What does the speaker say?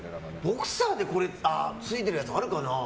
ボクサーでついてるやつあるかな？